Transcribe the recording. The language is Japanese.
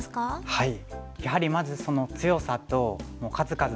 はい。